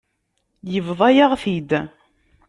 Yebḍa-yaɣ-t-id.